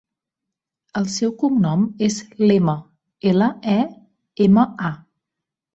El seu cognom és Lema: ela, e, ema, a.